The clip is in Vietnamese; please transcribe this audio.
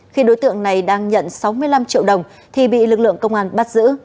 khi đối tượng này đang nhận sáu mươi năm triệu đồng thì bị lực lượng công an bắt giữ